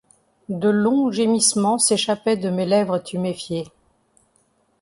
De longs gémissements s’échappaient de mes lèvres tuméfiées.